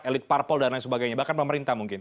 elit parpol dan lain sebagainya bahkan pemerintah mungkin